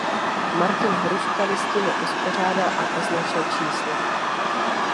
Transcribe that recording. Martin Hruška listiny uspořádal a označil čísly.